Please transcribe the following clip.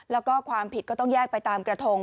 แล้วก็ความผิดก็ต้องแยกไปตามกระทง